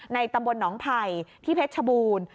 ตำบลหนองไผ่ที่เพชรชบูรณ์